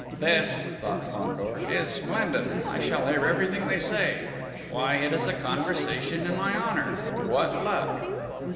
"This," thought Fandor, "is splendid! I shall hear everything they say. Why, it is a conversation in my honour! What luck!"